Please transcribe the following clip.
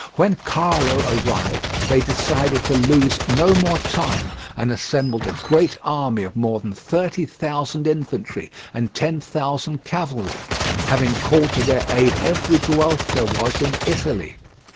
When Carlo arrived they decided to lose no more time, and assembled a great army of more than thirty thousand infantry and ten thousand cavalry—having called to their aid every Guelph there was in Italy.